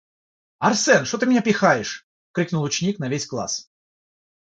"Арсен! Что ты меня пихаешь!?" - Крикнул ученик на весь класс.